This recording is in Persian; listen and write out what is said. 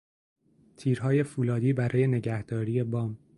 تیرهای فولادی برای نگهداری بام